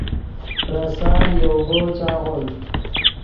پریسال یوگو چاغوئے